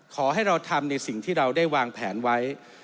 ขอให้เราทำในสิ่งที่เราได้วางแผนไว้